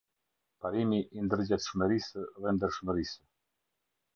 Parimi i ndërgjegjshmërisë dhe ndershmërisë.